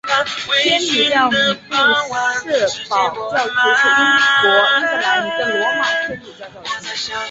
天主教米杜士堡教区是英国英格兰一个罗马天主教教区。